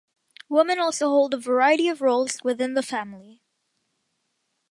Women also hold a variety of roles within the family.